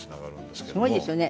すごいですよね。